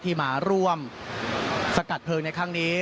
ที่มาร่วมสกัดเพลิงในครั้งนี้